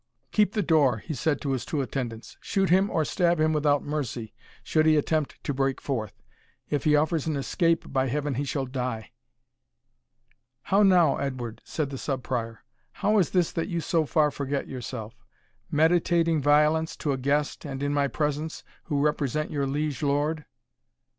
"Keep the door," he said to his two attendants; "shoot him or stab him without mercy, should he attempt to break forth; if he offers an escape, by Heaven he shall die!" "How now, Edward," said the Sub Prior; "how is this that you so far forget yourself? meditating violence to a guest, and in my presence, who represent your liege lord?"